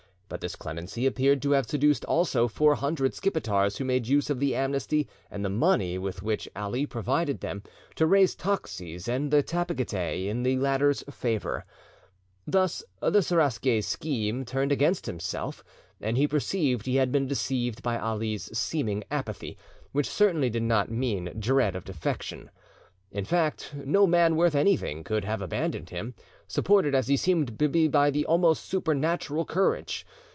But this clemency appeared to have seduced also four hundred Skipetars who made use of the amnesty and the money with which Ali provided them, to raise Toxis and the Tapygetae in the latter's favour. Thus the Seraskier's scheme turned against himself, and he perceived he had been deceived by Ali's seeming apathy, which certainly did not mean dread of defection. In fact, no man worth anything could have abandoned him, supported as he seemed to be by almost supernatural courage.